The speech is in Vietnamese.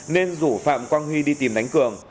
nên rủ phạm quang huy đi tìm đánh cường